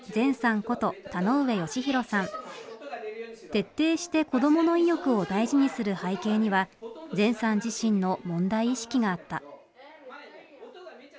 徹底して子どもの意欲を大事にする背景には善さん自身の問題意識があった。